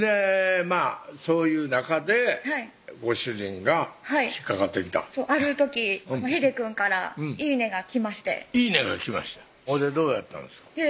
そういう中でご主人が引っ掛かってきたある時ひでくんからいいねが来ましていいねが来ましたほいでどうやったんですか？